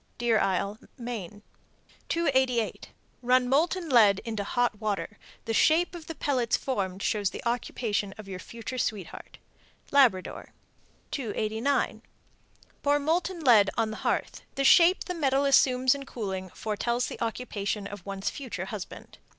Deer Isle, Me. 288. Run molten lead into hot water; the shape of the pellets formed shows the occupation of your future sweetheart. Labrador. 289. Pour molten lead on a hearth; the shape the metal assumes in cooling foretells the occupation of one's future husband.